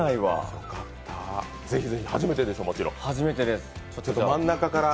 ぜひぜひ初めてでしょう、もちろん初めてです。